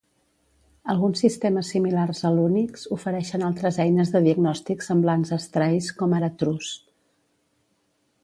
Alguns sistemes similars al Unix ofereixen altres eines de diagnòstic semblants a strace, com ara truss.